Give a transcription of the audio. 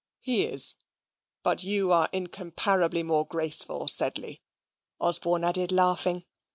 "He is but you are incomparably more graceful, Sedley," Osborne added, laughing.